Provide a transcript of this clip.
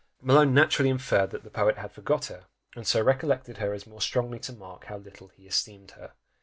Malone naturally inferred that the poet had forgot her, and so recollected her as more strongly to mark how little he esteemed her.